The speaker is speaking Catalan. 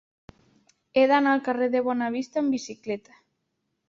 He d'anar al carrer de Bonavista amb bicicleta.